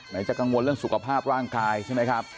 จะกังวลเรื่องสุขภาพร่างกายใช่ไหมครับ